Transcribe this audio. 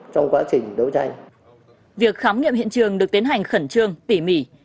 tại hiện trường được tiến hành khẩn trương tỉ mỉ